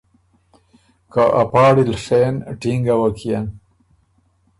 که ا پاړی ل ڒېن ټینګه وه کيېن